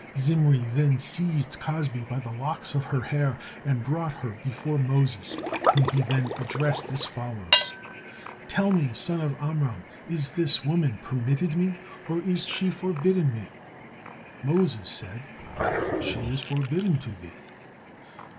Zimri then seized Cozbi by the locks of her hair, and brought her before Moses, whom he then addressed as follows: "Tell me, son of Amram, is this woman permitted me, or is she forbidden me?" Moses said, "She is forbidden to thee."